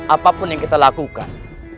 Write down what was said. apapun yang kita lakukan